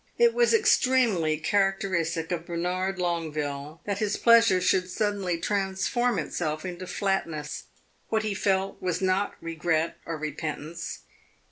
It was extremely characteristic of Bernard Longueville that his pleasure should suddenly transform itself into flatness. What he felt was not regret or repentance.